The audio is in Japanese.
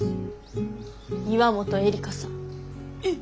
岩本絵里香さん。